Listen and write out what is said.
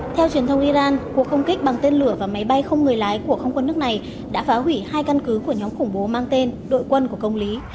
theo truyền thông iran cuộc không kích bằng tên lửa và máy bay không người lái của không quân nước này đã phá hủy hai căn cứ của nhóm khủng bố mang tên đội quân của công lý